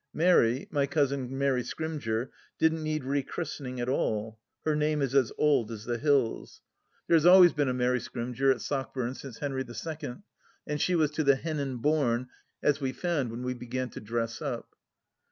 " Mary "— ^my cousin Mary Scrymgeour — didn't need re christening at all ; her name is as old as the hills. There has THE LAST DITCH 115 always been a Mary Scrymgeour at Sockburn since Henry II, and she was to the hennin born, as we found when we began to dress up.